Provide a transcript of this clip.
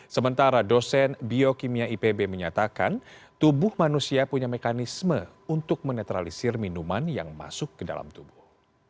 sementara dosen biokimia ipb menyatakan tubuh manusia punya mekanisme untuk menetralisir minuman yang masuk ke dalam tubuh